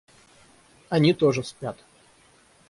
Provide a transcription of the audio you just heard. Они тоже спят.